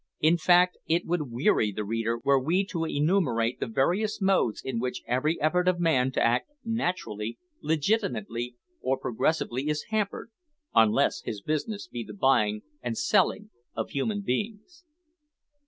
In fact it would weary the reader were we to enumerate the various modes in which every effort of man to act naturally, legitimately, or progressively, is hampered, unless his business be the buying and selling of human beings.